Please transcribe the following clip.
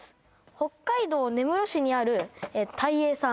北海道根室市にあるタイエーさん